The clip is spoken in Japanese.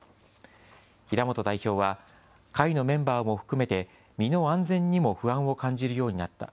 平本代表は、会のメンバーも含めて、身の安全にも不安を感じるようになった。